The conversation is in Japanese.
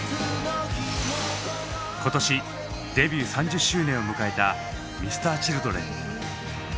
今年デビュー３０周年を迎えたＭｒ．Ｃｈｉｌｄｒｅｎ。